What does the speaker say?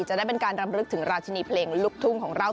จะได้เป็นการรำลึกถึงราชินีเพลงลูกทุ่งของเรา